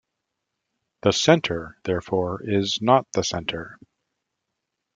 "The center", therefore, "is not the center.